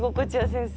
先生。